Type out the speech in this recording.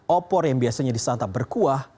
opor yang biasanya disantap berkuah